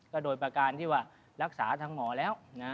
ก็โดยประการที่ว่ารักษาทางหมอแล้วนะ